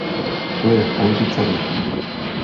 To je v politice rozdíl.